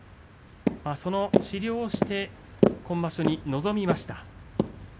その治療をして今場所に臨みました。